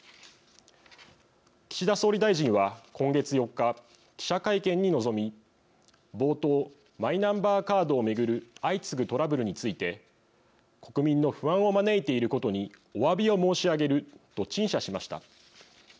岸田総理大臣は今月４日、記者会見に臨み冒頭、マイナンバーカードを巡る相次ぐトラブルについて「国民の不安を招いていることにおわびを申し上げる」と陳謝しました。